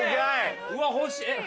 うわ欲しい。